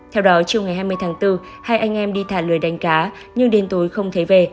theo đó chiều ngày hai mươi tháng bốn hai anh em đi thả lưới đánh cá nhưng đến tối không thấy về